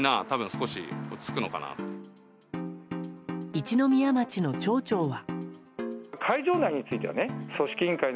一宮町の町長は。